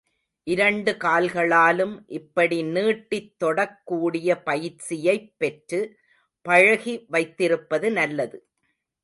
இரண்டு கால்களாலும் இப்படி நீட்டித் தொடக்கூடிய பயிற்சியைப் பெற்று பழகி வைத்திருப்பது நல்லது.